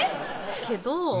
けど